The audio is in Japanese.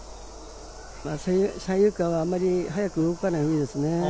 三遊間はあまり早く動かないほうがいいですね。